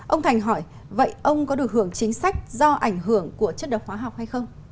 ông thành hỏi vậy ông có được hưởng chính sách do ảnh hưởng của chất độc hóa học hay không